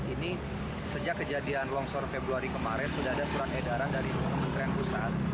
ini sejak kejadian longsor februari kemarin sudah ada surat edaran dari kementerian pusat